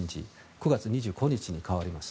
９月２５日に代わります。